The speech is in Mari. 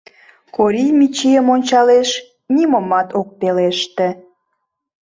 Корий Мичийым ончалеш, нимомат ок пелеште.